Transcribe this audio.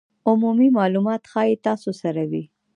عمومي مالومات ښایي تاسو سره وي